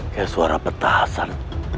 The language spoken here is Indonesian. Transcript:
kayak suara petasan